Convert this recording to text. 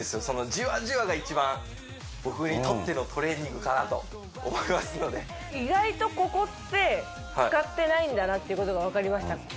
そのじわじわが一番僕にとってのトレーニングかなと思いますので意外とここって使ってないんだなっていうことが分かりました